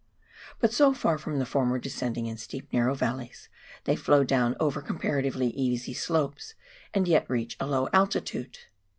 But so far from the former descending in steep narroAv valleys, they flow down over comparatively easy slopes, and yet reach a low altitude.